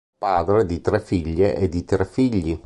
Padre di tre figlie e di tre figli.